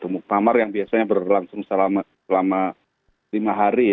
muktamar yang biasanya berlangsung selama lima hari